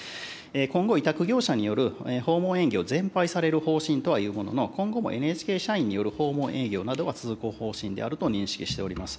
今後、委託業者による訪問営業全廃される方針とはいうものの、今後もＮＨＫ社員による訪問営業などは続く方針であると認識しております。